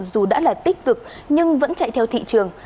dù đã là tích cực nhưng vẫn chạy theo thị trường